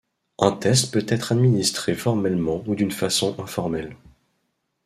Un test peut être administré formellement ou d'une façon informelle.